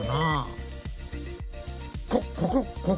こここ！